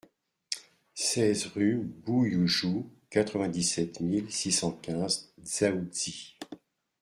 seize rue M'Bouyoujou, quatre-vingt-dix-sept mille six cent quinze Dzaoudzi